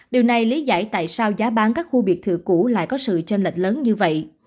điều này lý giải tại sao giá bán các khu biệt thự cũ lại có sự tranh lệch lớn như vậy